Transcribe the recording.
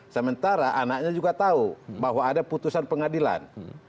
sementara anaknya juga tahu bahwa ada putusan pengadilan